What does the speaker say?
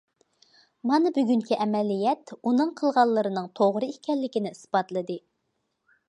مانا بۈگۈنكى ئەمەلىيەت ئۇنىڭ قىلغانلىرىنىڭ توغرا ئىكەنلىكىنى ئىسپاتلىدى.